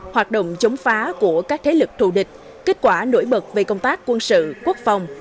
hoạt động chống phá của các thế lực thù địch kết quả nổi bật về công tác quân sự quốc phòng